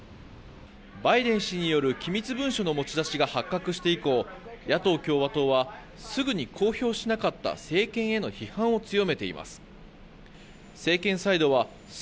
バイデン氏による機密文書の持ち出しが発覚して以降野党・共和党はすぐに公表しなかった政権への批判を強めています。